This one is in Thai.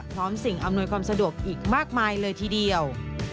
สิ่งอำนวยความสะดวกอีกมากมายเลยทีเดียว